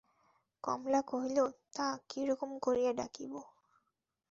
কমলা কহিল, তা, কিরকম করিয়া ডাকিব?